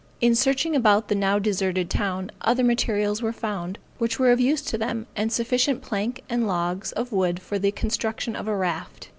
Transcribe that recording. In searching about the now deserted town, other materials were found, which were of use to them, and sufficient plank and logs of wood for the construction of a raft.